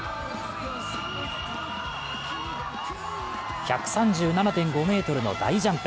１３７．５ｍの大ジャンプ。